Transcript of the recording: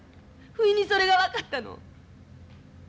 ふいにそれが分かったの。